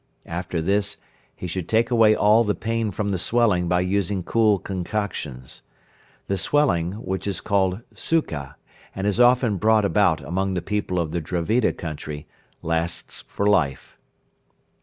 After this he should take away all the pain from the swelling by using cool concoctions. The swelling, which is called "Suka," and is often brought about among the people of the Dravida country, lasts for life.